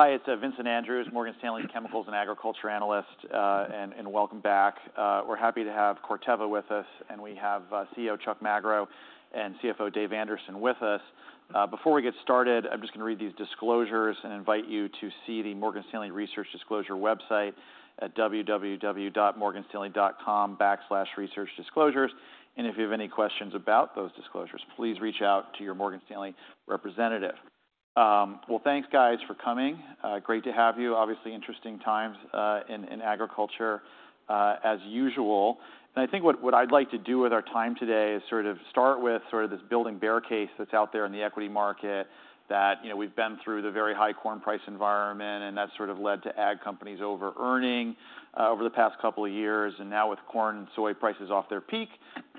Hi, it's Vincent Andrews, Morgan Stanley Chemicals and Agriculture Analyst, and welcome back. We're happy to have Corteva with us, and we have CEO Chuck Magro and CFO Dave Anderson with us. Before we get started, I'm just gonna read these disclosures and invite you to see the Morgan Stanley Research Disclosure website at www.morganstanley.com/researchdisclosures. And if you have any questions about those disclosures, please reach out to your Morgan Stanley representative. Well, thanks, guys, for coming. Great to have you. Obviously, interesting times in agriculture, as usual. And I think what I'd like to do with our time today is sort of start with sort of this building bear case that's out there in the equity market, that, you know, we've been through the very high corn price environment, and that's sort of led to ag companies over-earning over the past couple of years. And now with corn and soy prices off their peak,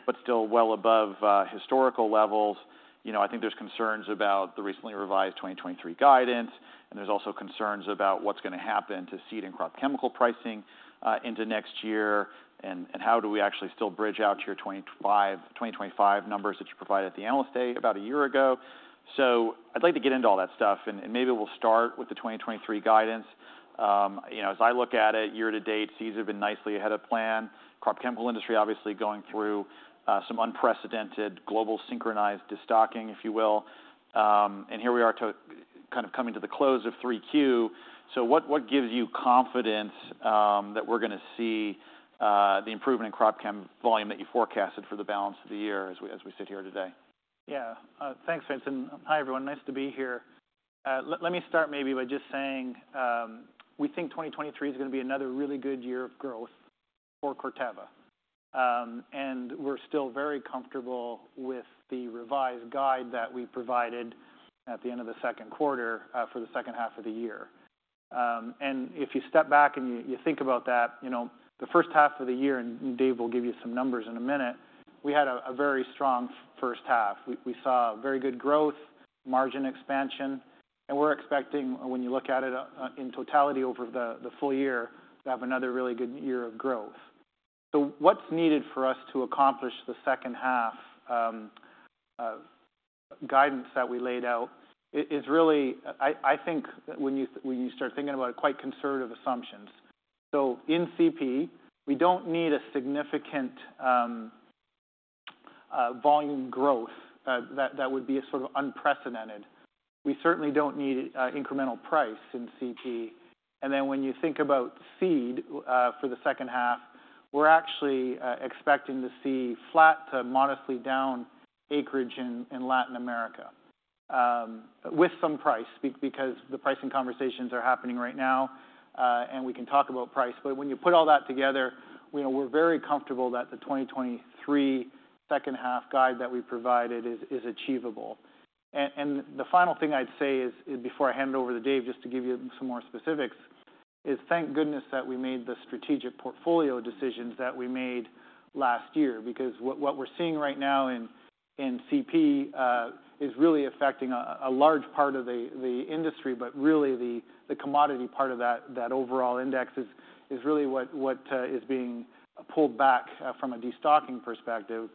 but still well above historical levels, you know, I think there's concerns about the recently revised 2023 guidance, and there's also concerns about what's gonna happen to seed and crop chemical pricing into next year, and how do we actually still bridge out to your 2025 numbers that you provided at the Analyst Day about a year ago. So I'd like to get into all that stuff, and, and maybe we'll start with the 2023 guidance. You know, as I look at it, year to date, seeds have been nicely ahead of plan. Crop chemical industry obviously going through some unprecedented global synchronized destocking, if you will. And here we are kind of coming to the close of 3Q. So what gives you confidence that we're gonna see the improvement in crop chem volume that you forecasted for the balance of the year as we sit here today? Yeah. Thanks, Vincent. Hi, everyone. Nice to be here. Let me start maybe by just saying, we think 2023 is gonna be another really good year of growth for Corteva. And we're still very comfortable with the revised guide that we provided at the end of the second quarter, for the second half of the year. And if you step back and you think about that, you know, the first half of the year, and Dave will give you some numbers in a minute, we had a very strong first half. We saw very good growth, margin expansion, and we're expecting, when you look at it, in totality over the full year, to have another really good year of growth. So what's needed for us to accomplish the second half guidance that we laid out is really... I think when you start thinking about it, quite conservative assumptions. So in CP, we don't need a significant volume growth that would be a sort of unprecedented. We certainly don't need incremental price in CP. And then when you think about seed, for the second half, we're actually expecting to see flat to modestly down acreage in Latin America, with some price, because the pricing conversations are happening right now, and we can talk about price. But when you put all that together, you know, we're very comfortable that the 2023 second half guide that we provided is achievable. The final thing I'd say is, before I hand it over to Dave, just to give you some more specifics, is thank goodness that we made the strategic portfolio decisions that we made last year. Because what we're seeing right now in CP is really affecting a large part of the industry, but really the commodity part of that overall index is really what is being pulled back from a destocking perspective.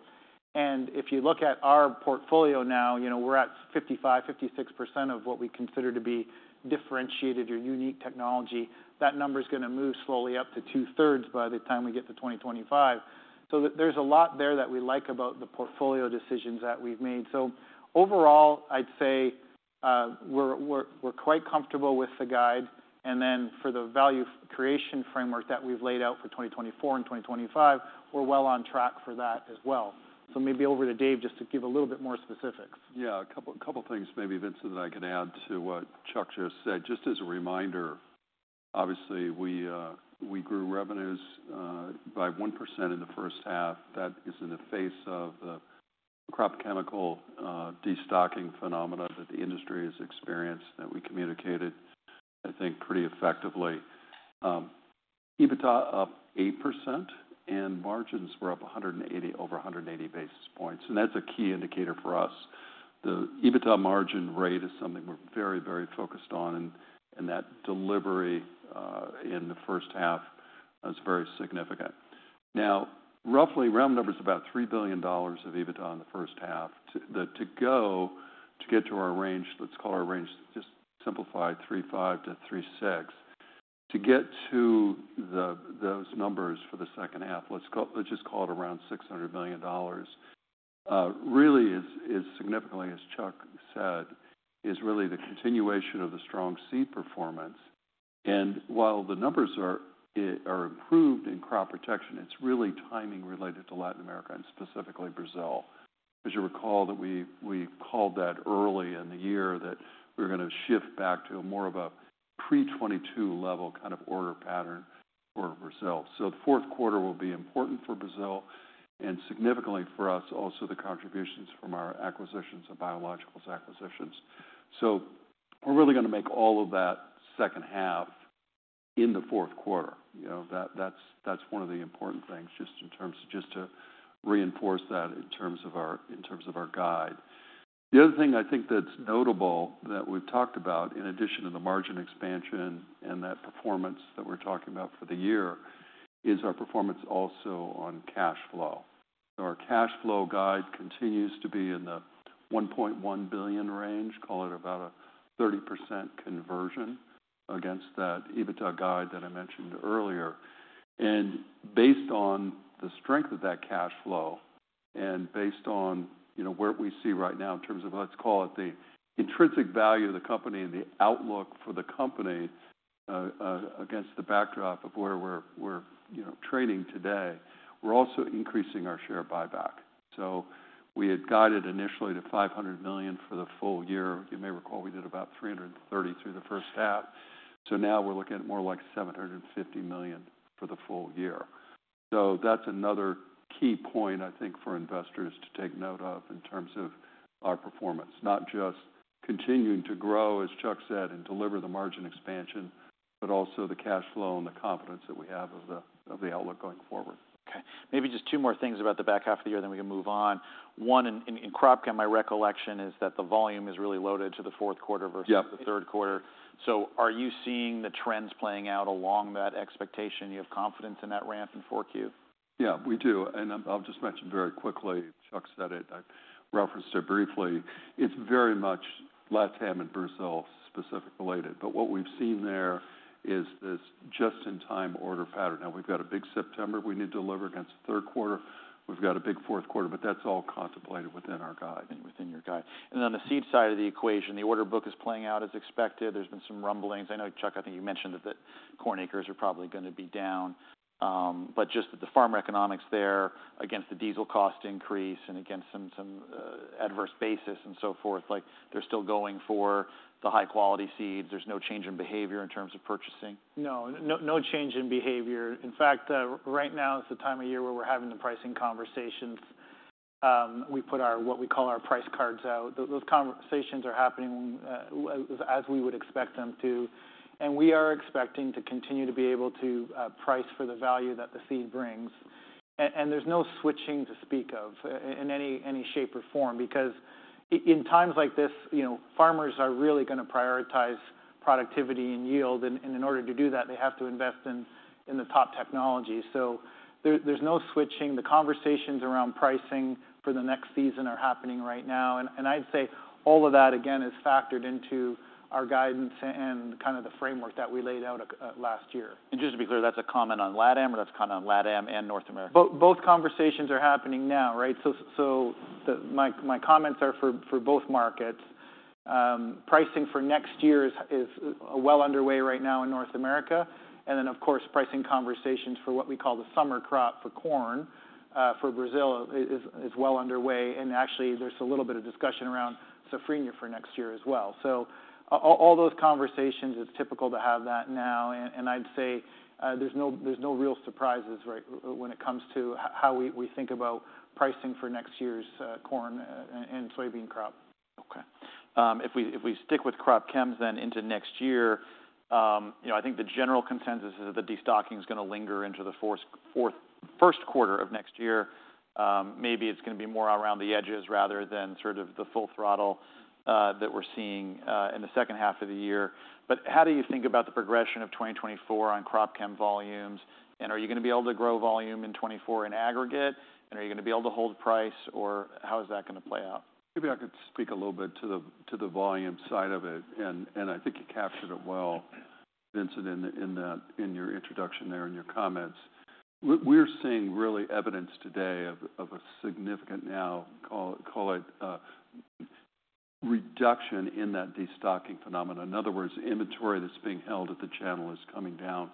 And if you look at our portfolio now, you know, we're at 55%-56% of what we consider to be differentiated or unique technology. That number is gonna move slowly up to two-thirds by the time we get to 2025. So there's a lot there that we like about the portfolio decisions that we've made. So overall, I'd say we're quite comfortable with the guide. And then for the value creation framework that we've laid out for 2024 and 2025, we're well on track for that as well. So maybe over to Dave, just to give a little bit more specifics. Yeah, a couple of things maybe, Vincent, that I can add to what Chuck just said. Just as a reminder, obviously, we grew revenues by 1% in the first half. That is in the face of the crop chemical destocking phenomenon that the industry has experienced, that we communicated, I think, pretty effectively. EBITDA up 8% and margins were up 180- over 180 basis points, and that's a key indicator for us. The EBITDA margin rate is something we're very, very focused on, and that delivery in the first half is very significant. Now, roughly, round numbers, about $3 billion of EBITDA in the first half. To go, to get to our range, let's call our range, just simplified, $3.5 billion-$3.6 billion. To get to those numbers for the second half, let's just call it around $600 million, really is significantly, as Chuck said, is really the continuation of the strong seed performance. While the numbers are, are improved in crop protection, it's really timing related to Latin America and specifically Brazil. As you recall, that we called that early in the year, that we're gonna shift back to more of a pre-2022 level kind of order pattern for Brazil. So the fourth quarter will be important for Brazil and significantly for us, also the contributions from our acquisitions and biologicals acquisitions. So we're really gonna make all of that second half in the fourth quarter. You know, that's one of the important things, just in terms of our guide. The other thing I think that's notable that we've talked about, in addition to the margin expansion and that performance that we're talking about for the year is our performance also on cash flow. Our cash flow guide continues to be in the $1.1 billion range, call it about a 30% conversion against that EBITDA guide that I mentioned earlier. And based on the strength of that cash flow, and based on, you know, where we see right now in terms of, let's call it, the intrinsic value of the company and the outlook for the company, against the backdrop of where we're trading today, we're also increasing our share buyback. So we had guided initially to $500 million for the full year. You may recall we did about 330 through the first half, so now we're looking at more like $750 million for the full year. So that's another key point, I think, for investors to take note of in terms of our performance. Not just continuing to grow, as Chuck said, and deliver the margin expansion, but also the cash flow and the confidence that we have of the, of the outlook going forward. Okay, maybe just two more things about the back half of the year, then we can move on. One, in crop chem, my recollection is that the volume is really loaded to the fourth quarter- Yep versus the third quarter. So are you seeing the trends playing out along that expectation? You have confidence in that ramp in 4Q? Yeah, we do. I'll, I'll just mention very quickly. Chuck said it. I referenced it briefly. It's very much Latam and Brazil specific related, but what we've seen there is this just-in-time order pattern. Now we've got a big September we need to deliver against the third quarter. We've got a big fourth quarter, but that's all contemplated within our guide. Within your guide. Then on the seed side of the equation, the order book is playing out as expected. There's been some rumblings. I know, Chuck, I think you mentioned that the corn acres are probably gonna be down, but just that the farmer economics there, against the diesel cost increase and against some adverse basis and so forth, like, they're still going for the high-quality seeds. There's no change in behavior in terms of purchasing? No, no, no change in behavior. In fact, right now is the time of year where we're having the pricing conversations. We put our, what we call our price cards out. Those conversations are happening, as we would expect them to, and we are expecting to continue to be able to, price for the value that the seed brings. And there's no switching to speak of in any shape or form, because in times like this, you know, farmers are really gonna prioritize productivity and yield, and in order to do that, they have to invest in the top technology. So there's no switching. The conversations around pricing for the next season are happening right now, and I'd say all of that, again, is factored into our guidance and kind of the framework that we laid out last year. Just to be clear, that's a comment on Latam, or that's a comment on Latam and North America? Both conversations are happening now, right? So my comments are for both markets. Pricing for next year is well underway right now in North America, and then, of course, pricing conversations for what we call the summer crop for corn for Brazil is well underway. And actually, there's a little bit of discussion around Safrinha for next year as well. So all those conversations, it's typical to have that now. And I'd say, there's no real surprises right when it comes to how we think about pricing for next year's corn and soybean crop. Okay. If we, if we stick with crop chems then into next year, you know, I think the general consensus is that the destocking is gonna linger into the first quarter of next year. Maybe it's gonna be more around the edges rather than sort of the full throttle that we're seeing in the second half of the year. But how do you think about the progression of 2024 on crop chem volumes? And are you gonna be able to grow volume in 2024 in aggregate, and are you gonna be able to hold price, or how is that gonna play out? Maybe I could speak a little bit to the, to the volume side of it, and, and I think you captured it well, Vincent, in, in that, in your introduction there in your comments. We're seeing really evidence today of a significant now, call it, reduction in that destocking phenomenon. In other words, inventory that's being held at the channel is coming down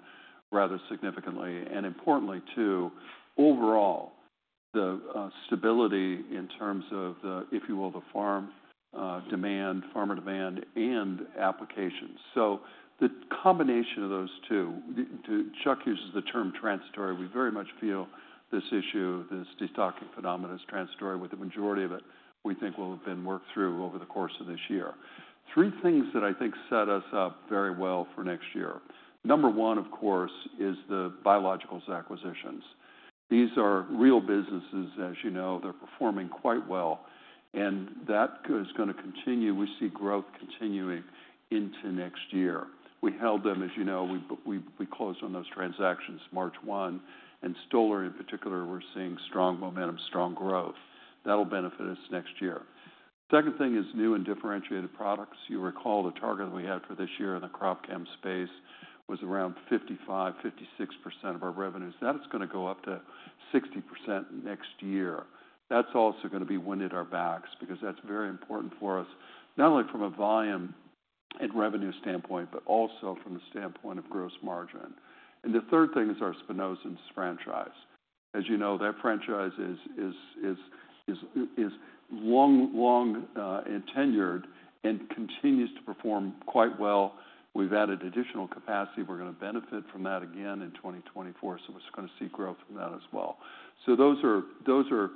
rather significantly. And importantly, too, overall, the stability in terms of the, if you will, the farm demand, farmer demand and applications. So the combination of those two, Chuck uses the term transitory. We very much feel this issue, this destocking phenomenon, is transitory, with the majority of it, we think will have been worked through over the course of this year. Three things that I think set us up very well for next year. Number one, of course, is the biologicals acquisitions. These are real businesses, as you know. They're performing quite well, and that is gonna continue. We see growth continuing into next year. We held them, as you know, we closed on those transactions March 1, and Stoller, in particular, we're seeing strong momentum, strong growth. That'll benefit us next year. Second thing is new and differentiated products. You recall the target we had for this year in the crop chem space was around 55-56% of our revenues. That is gonna go up to 60% next year. That's also gonna be wind at our backs, because that's very important for us, not only from a volume and revenue standpoint, but also from the standpoint of gross margin. And the third thing is our Spinosyns franchise. As you know, that franchise is long and tenured and continues to perform quite well. We've added additional capacity. We're gonna benefit from that again in 2024, so we're gonna see growth from that as well. So those are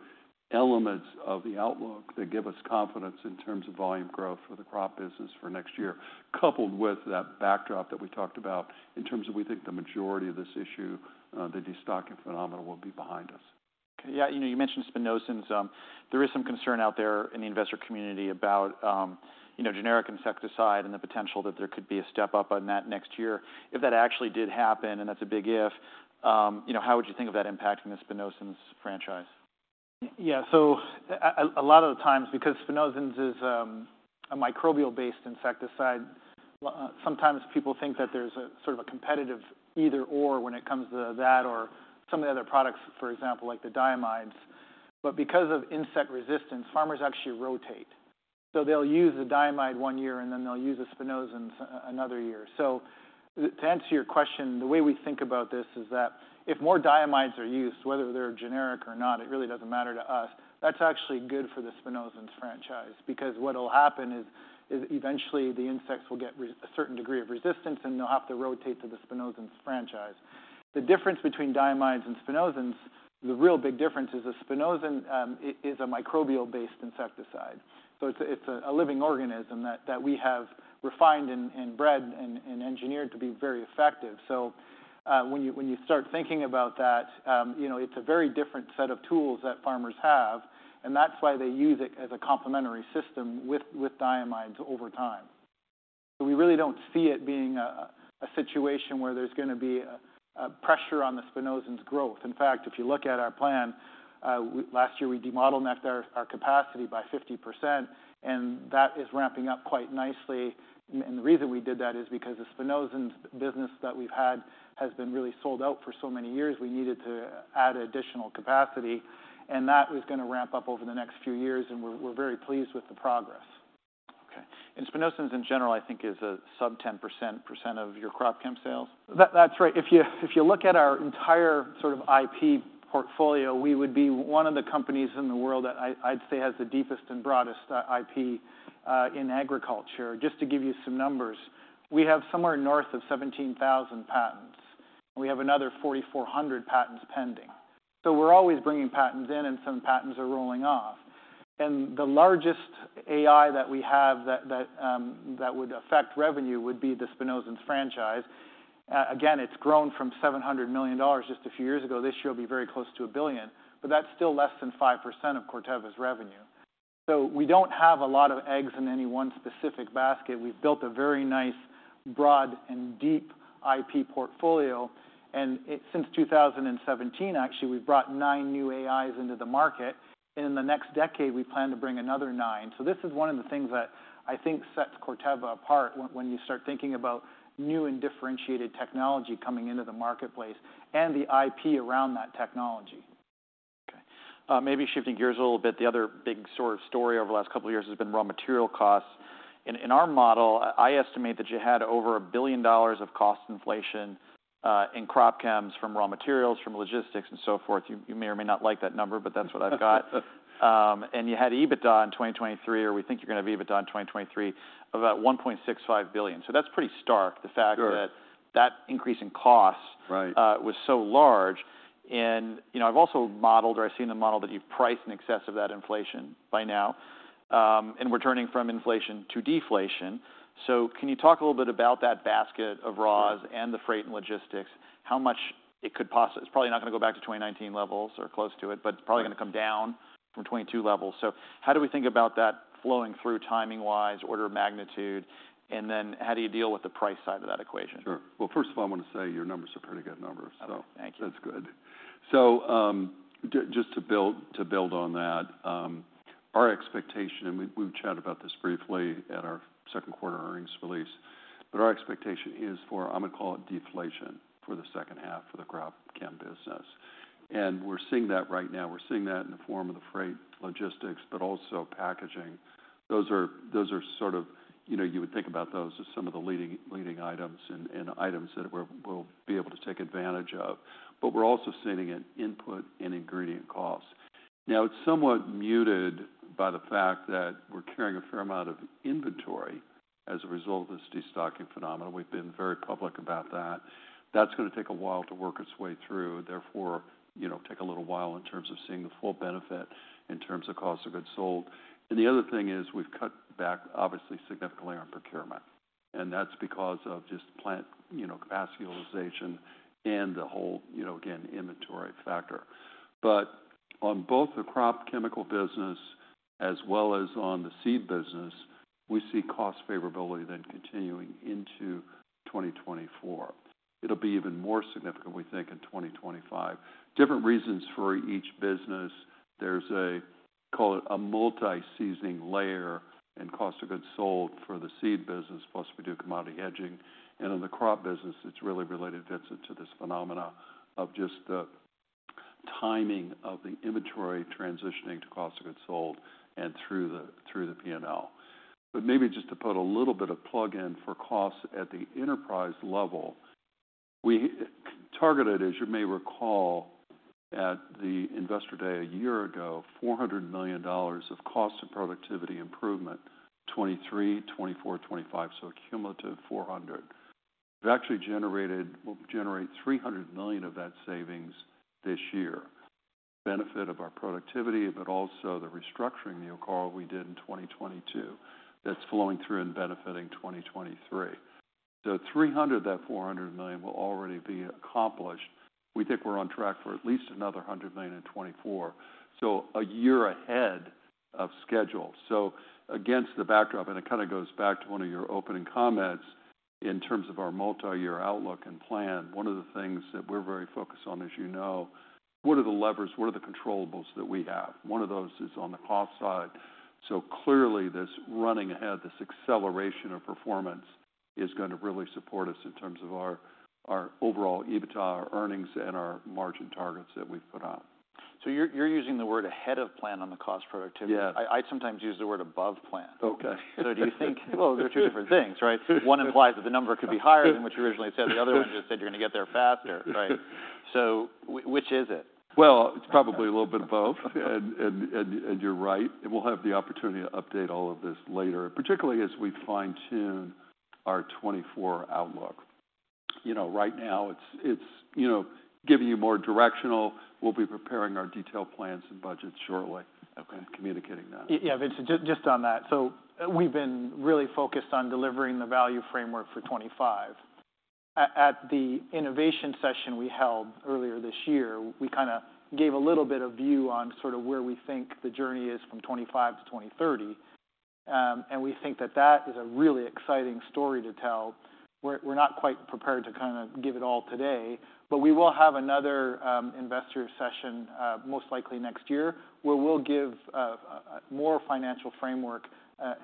elements of the outlook that give us confidence in terms of volume growth for the crop business for next year, coupled with that backdrop that we talked about in terms of, we think the majority of this issue, the destocking phenomena will be behind us. ... Yeah, you know, you mentioned Spinosyns. There is some concern out there in the investor community about, you know, generic insecticide and the potential that there could be a step up on that next year. If that actually did happen, and that's a big if, you know, how would you think of that impacting the Spinosyns franchise? Yeah. So a lot of the times, because Spinosyns is a microbial-based insecticide, sometimes people think that there's a sort of a competitive either/or when it comes to that or some of the other products, for example, like the diamides. But because of insect resistance, farmers actually rotate. So they'll use the Diamide one year, and then they'll use a Spinosyn another year. So to answer your question, the way we think about this is that if more Diamides are used, whether they're generic or not, it really doesn't matter to us. That's actually good for the Spinosyns franchise, because what'll happen is eventually the insects will get a certain degree of resistance, and they'll have to rotate to the Spinosyns franchise. The difference between diamides and spinosyns, the real big difference is a spinosyn is a microbial-based insecticide, so it's a living organism that we have refined and bred and engineered to be very effective. So when you start thinking about that, you know, it's a very different set of tools that farmers have, and that's why they use it as a complementary system with diamides over time. So we really don't see it being a situation where there's gonna be a pressure on the spinosyns growth. In fact, if you look at our plan, we last year de-bottlenecked our capacity by 50%, and that is ramping up quite nicely. And the reason we did that is because the spinosyns business that we've had has been really sold out for so many years. We needed to add additional capacity, and that is gonna ramp up over the next few years, and we're very pleased with the progress. Okay. And Spinosyns, in general, I think, is a sub-10% of your crop chem sales? That's right. If you look at our entire sort of IP portfolio, we would be one of the companies in the world that I, I'd say, has the deepest and broadest IP in agriculture. Just to give you some numbers, we have somewhere north of 17,000 patents. We have another 4,400 patents pending. So we're always bringing patents in, and some patents are rolling off. And the largest AI that we have that would affect revenue would be the spinosyns franchise. Again, it's grown from $700 million just a few years ago. This year, it'll be very close to $1 billion, but that's still less than 5% of Corteva's revenue. So we don't have a lot of eggs in any one specific basket. We've built a very nice, broad, and deep IP portfolio, and it, since 2017, actually, we've brought nine new AIs into the market, and in the next decade, we plan to bring another 9. So this is one of the things that I think sets Corteva apart when, when you start thinking about new and differentiated technology coming into the marketplace and the IP around that technology. Okay. Maybe shifting gears a little bit. The other big sort of story over the last couple of years has been raw material costs. In our model, I estimate that you had over $1 billion of cost inflation in crop chems, from raw materials, from logistics, and so forth. You may or may not like that number, but that's what I've got. And you had EBITDA in 2023, or we think you're going to have EBITDA in 2023, about $1.65 billion. So that's pretty stark, the fact- Sure... that increase in cost- Right... was so large. And, you know, I've also modeled, or I've seen the model, that you've priced in excess of that inflation by now, and we're turning from inflation to deflation. So can you talk a little bit about that basket of raws- Sure... and the freight and logistics? How much it could-- It's probably not gonna go back to 2019 levels or close to it, but- Right... it's probably gonna come down from 22 levels. So how do we think about that flowing through timing-wise, order of magnitude, and then how do you deal with the price side of that equation? Sure. Well, first of all, I want to say your numbers are pretty good numbers. Okay, thank you. So that's good. Just to build on that, our expectation, and we've chatted about this briefly at our second quarter earnings release, but our expectation is for, I'm gonna call it deflation for the second half of the crop chem business. And we're seeing that right now. We're seeing that in the form of the freight, logistics, but also packaging. Those are sort of... You know, you would think about those as some of the leading items and items that we'll be able to take advantage of, but we're also seeing it in input and ingredient costs. Now, it's somewhat muted by the fact that we're carrying a fair amount of inventory as a result of this destocking phenomenon. We've been very public about that. That's gonna take a while to work its way through, therefore, you know, take a little while in terms of seeing the full benefit, in terms of cost of goods sold. And the other thing is we've cut back, obviously, significantly on procurement, and that's because of just plant, you know, capacity utilization and the whole, you know, again, inventory factor. But on both the crop chemical business as well as on the seed business, we see cost favorability then continuing into 2024. It'll be even more significant, we think, in 2025. Different reasons for each business. There's a, call it, a multi-seasoning layer and cost of goods sold for the seed business, plus we do commodity hedging. In the crop business, it's really related directly to this phenomenon of just the timing of the inventory transitioning to cost of goods sold and through the P&L. But maybe just to put a little bit of plug-in for costs at the enterprise level, we targeted, as you may recall, at the investor day a year ago, $400 million of cost and productivity improvement, 2023, 2024, 2025, so a cumulative $400 million. We've actually generated; we'll generate $300 million of that savings this year. Benefit of our productivity, but also the restructuring, you'll recall, we did in 2022. That's flowing through and benefiting 2023. So $300 of that $400 million will already be accomplished. We think we're on track for at least another $100 million in 2024, so a year ahead of schedule. Against the backdrop, and it kind of goes back to one of your opening comments in terms of our multi-year outlook and plan, one of the things that we're very focused on, as you know, what are the levers? What are the controllables that we have? One of those is on the cost side. Clearly, this running ahead, this acceleration of performance, is going to really support us in terms of our, our overall EBITDA, our earnings, and our margin targets that we've put out. So you're using the word ahead of plan on the cost productivity? Yeah. I sometimes use the word above plan. Okay. So do you think? Well, they're two different things, right? One implies that the number could be higher than what you originally said. The other one just said you're going to get there faster, right? So which is it? Well, it's probably a little bit of both. Okay. You're right, and we'll have the opportunity to update all of this later, particularly as we fine-tune our 2024 outlook. You know, right now, it's, you know, giving you more directional. We'll be preparing our detailed plans and budgets shortly. Okay. Communicating that. Yeah, Vince, just, just on that. So we've been really focused on delivering the value framework for 2025. At the innovation session we held earlier this year, we kind of gave a little bit of view on sort of where we think the journey is from 2025-2030. And we think that that is a really exciting story to tell. We're not quite prepared to kind of give it all today, but we will have another investor session, most likely next year, where we'll give more financial framework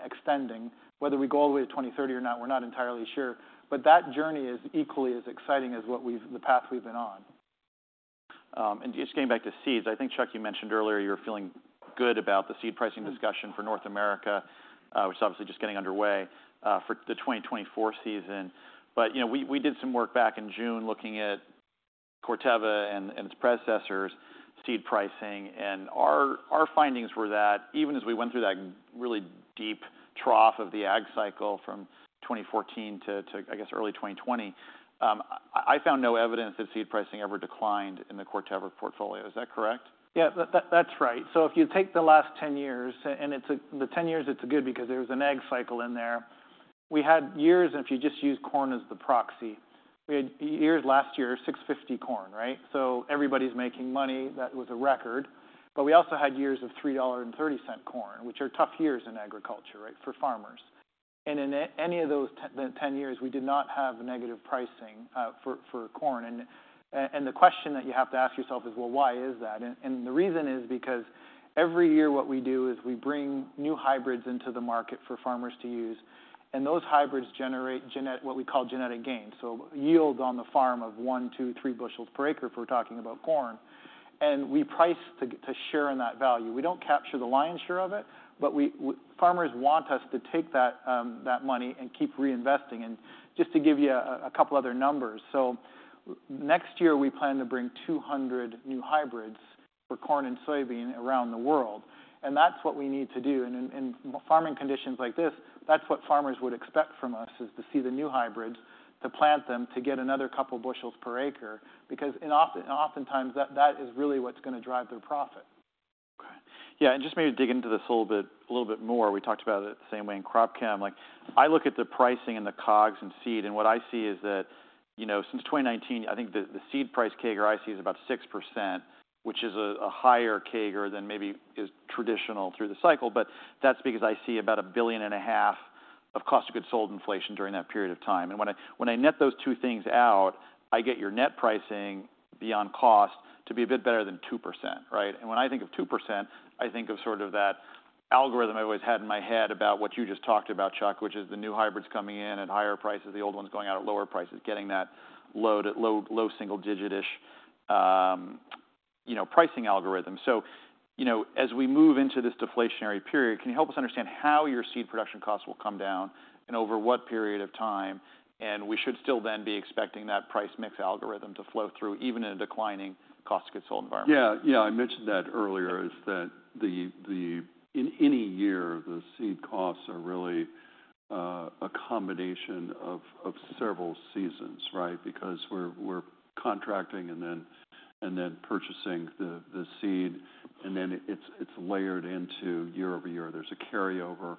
extending. Whether we go all the way to 2030 or not, we're not entirely sure, but that journey is equally as exciting as what we've... The path we've been on. Just getting back to seeds, I think, Chuck, you mentioned earlier you're feeling good about the seed pricing discussion. Mm-hmm. For North America, which is obviously just getting underway, for the 2024 season. But, you know, we, we did some work back in June looking at Corteva and, and its predecessors' seed pricing. And our, our findings were that even as we went through that really deep trough of the ag cycle from 2014 to, to, I guess, early 2020, I found no evidence that seed pricing ever declined in the Corteva portfolio. Is that correct? Yeah, that's right. So if you take the last 10 years, and the 10 years, it's good because there was an ag cycle in there. We had years, and if you just use corn as the proxy, we had years last year, $650 corn, right? So everybody's making money. That was a record. But we also had years of $3.30 corn, which are tough years in agriculture, right, for farmers. And in any of those 10 years, we did not have negative pricing for corn. And the question that you have to ask yourself is: Well, why is that? And the reason is because every year what we do is we bring new hybrids into the market for farmers to use, and those hybrids generate what we call genetic gain. So yields on the farm of one, two, three bushels per acre, if we're talking about corn, and we price to share in that value. We don't capture the lion's share of it, but we, farmers want us to take that, that money and keep reinvesting. And just to give you a couple other numbers, so next year, we plan to bring 200 new hybrids for corn and soybean around the world, and that's what we need to do. And in farming conditions like this, that's what farmers would expect from us, is to see the new hybrids, to plant them, to get another couple bushels per acre, because oftentimes, that is really what's going to drive their profit. Okay. Yeah, and just maybe dig into this a little bit, a little bit more. We talked about it the same way in CropCam. Like, I look at the pricing and the COGS and seed, and what I see is that, you know, since 2019, I think the, the seed price CAGR I see is about 6%, which is a, a higher CAGR than maybe is traditional through the cycle. But that's because I see about $1.5 billion of cost of goods sold inflation during that period of time. And when I, when I net those two things out, I get your net pricing beyond cost to be a bit better than 2%, right? When I think of 2%, I think of sort of that algorithm I always had in my head about what you just talked about, Chuck, which is the new hybrids coming in at higher prices, the old ones going out at lower prices, getting that load at low, low single digit-ish, you know, pricing algorithm. So, you know, as we move into this deflationary period, can you help us understand how your seed production costs will come down and over what period of time? And we should still then be expecting that price mix algorithm to flow through, even in a declining cost of goods sold environment? Yeah. Yeah, I mentioned that earlier. In any year, the seed costs are really a combination of several seasons, right? Because we're contracting and then purchasing the seed, and then it's layered into year-over-year. There's a carryover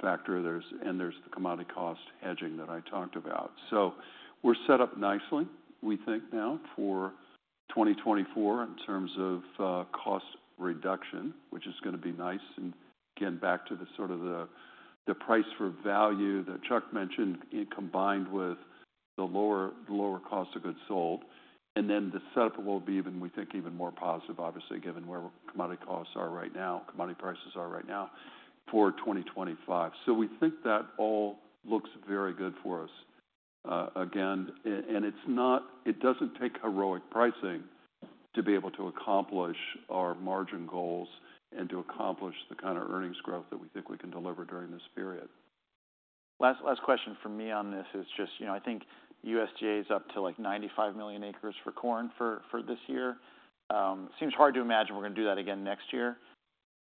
factor, and there's the commodity cost hedging that I talked about. So we're set up nicely, we think, now for 2024 in terms of cost reduction, which is gonna be nice. And again, back to the sort of the price for value that Chuck mentioned, it combined with the lower cost of goods sold. And then the setup will be even, we think, even more positive, obviously, given where commodity costs are right now, commodity prices are right now for 2025. So we think that all looks very good for us. Again, and it doesn't take heroic pricing to be able to accomplish our margin goals and to accomplish the kind of earnings growth that we think we can deliver during this period. Last, last question from me on this is just, you know, I think USDA is up to, like, 95 million acres for corn for, for this year. Seems hard to imagine we're gonna do that again next year.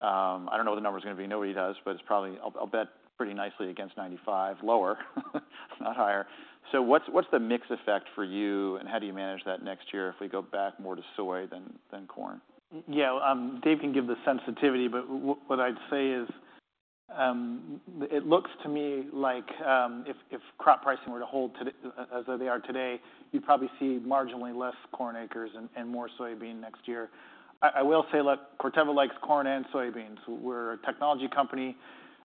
I don't know what the number is gonna be, nobody does, but it's probably, I'll, I'll bet pretty nicely against 95, lower, not higher. So what's, what's the mix effect for you, and how do you manage that next year if we go back more to soy than, than corn? Yeah, Dave can give the sensitivity, but what I'd say is. It looks to me like, if crop pricing were to hold today as they are today, you'd probably see marginally less corn acres and more soybean next year. I will say, look, Corteva likes corn and soybeans. We're a technology company.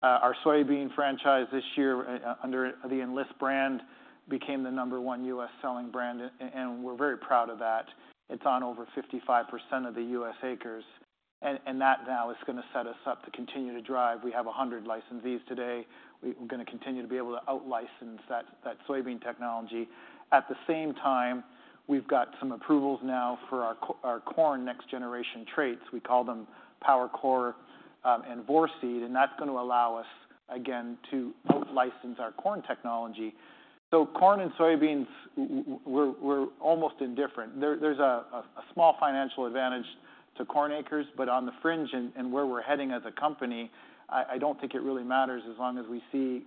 Our soybean franchise this year, under the Enlist brand, became the number one U.S. selling brand, and we're very proud of that. It's on over 55% of the U.S. acres, and that now is gonna set us up to continue to drive. We have 100 licensees today. We're gonna continue to be able to out-license that soybean technology. At the same time, we've got some approvals now for our corn next generation traits. We call them PowerCore, and Vorceed, and that's gonna allow us, again, to out-license our corn technology. So corn and soybeans, we're almost indifferent. There's a small financial advantage to corn acres, but on the fringe and where we're heading as a company, I don't think it really matters as long as we see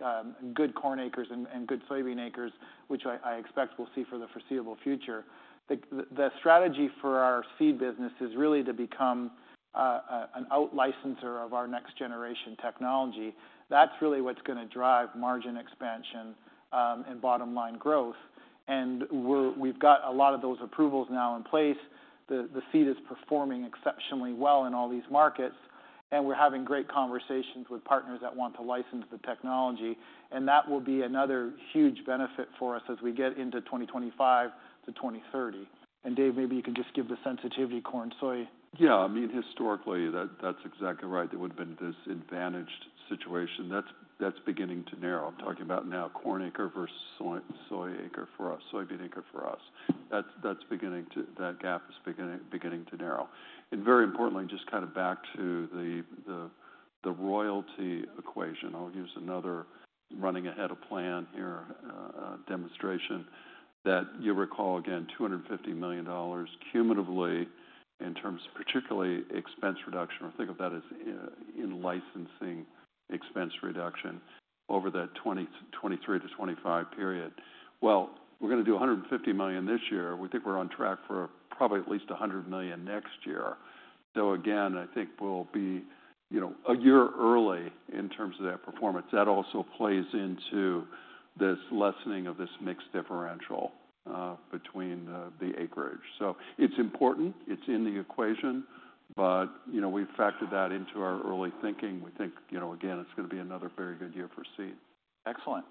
good corn acres and good soybean acres, which I expect we'll see for the foreseeable future. The strategy for our seed business is really to become an out-licenser of our next generation technology. That's really what's gonna drive margin expansion, and bottom line growth, and we've got a lot of those approvals now in place. The seed is performing exceptionally well in all these markets, and we're having great conversations with partners that want to license the technology, and that will be another huge benefit for us as we get into 2025 to 2030. And Dave, maybe you can just give the sensitivity corn and soy. Yeah. I mean, historically, that- that's exactly right. There would've been this advantaged situation. That's, that's beginning to narrow. I'm talking about now corn acre versus soy, soy acre for us- soybean acre for us. That's, that's beginning to... That gap is beginning, beginning to narrow. And very importantly, just kind of back to the royalty equation. I'll use another running ahead of plan here, demonstration, that you'll recall, again, $250 million cumulatively in terms of particularly expense reduction, or think of that as, in-licensing expense reduction over that 2023-2025 period. Well, we're gonna do $150 million this year. We think we're on track for probably at least $100 million next year. So again, I think we'll be, you know, a year early in terms of that performance. That also plays into this lessening of this mixed differential between the acreage. So it's important, it's in the equation, but, you know, we've factored that into our early thinking. We think, you know, again, it's gonna be another very good year for seed. Excellent.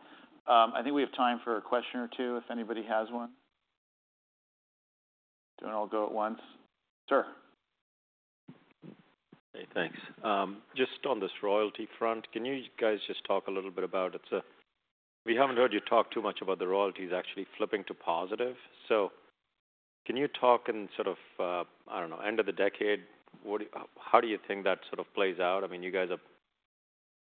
I think we have time for a question or two, if anybody has one. Don't all go at once. Sir? Hey, thanks. Just on this royalty front, can you guys just talk a little bit about it? We haven't heard you talk too much about the royalties actually flipping to positive. So can you talk and sort of, I don't know, end of the decade, what, how do you think that sort of plays out? I mean, you guys have...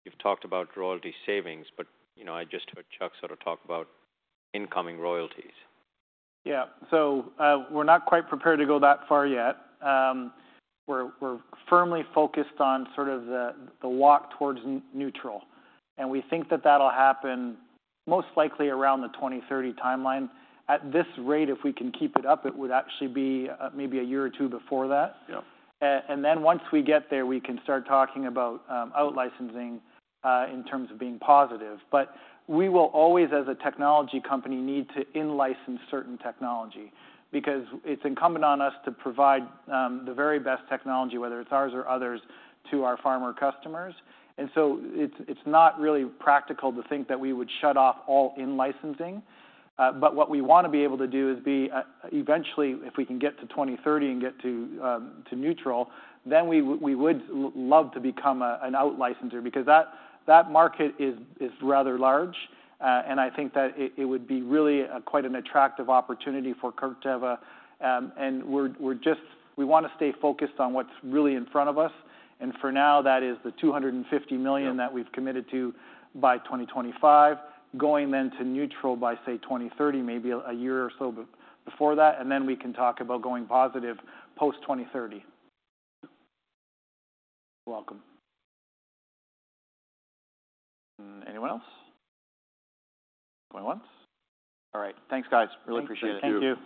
You've talked about royalty savings, but, you know, I just heard Chuck sort of talk about incoming royalties. Yeah. So, we're not quite prepared to go that far yet. We're firmly focused on sort of the walk towards neutral, and we think that that'll happen most likely around the 2030 timeline. At this rate, if we can keep it up, it would actually be maybe a year or two before that. Yeah. And then once we get there, we can start talking about out-licensing in terms of being positive. But we will always, as a technology company, need to in-license certain technology because it's incumbent on us to provide the very best technology, whether it's ours or others, to our farmer customers. And so it's not really practical to think that we would shut off all in-licensing, but what we want to be able to do is be eventually, if we can get to 2030 and get to neutral, then we would love to become an out-licenser because that market is rather large. And I think that it would be really quite an attractive opportunity for Corteva. And we're just—we want to stay focused on what's really in front of us, and for now, that is the $250 million- Yeah... that we've committed to by 2025, going then to neutral by, say, 2030, maybe a year or so before that, and then we can talk about going positive post-2030. You're welcome. Anyone else? Going once. All right, thanks, guys. Really appreciate it. Thank you. Thank you.